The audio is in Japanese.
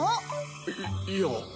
いいや。